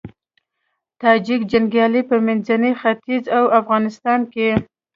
تاجیک جنګيالي په منځني ختيځ او افغانستان کې